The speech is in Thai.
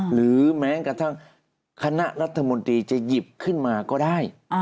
หรือแม้กระทั่งคณะรัฐมนตรีจะหยิบขึ้นมาก็ได้